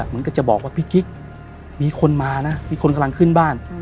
มันก็จะบอกว่าพี่กิ๊กมีคนมานะมีคนกำลังขึ้นบ้าน